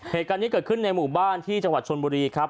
เหตุการณ์นี้เกิดขึ้นในหมู่บ้านที่จังหวัดชนบุรีครับ